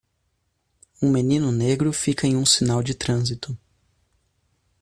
Um menino negro fica em um sinal de trânsito.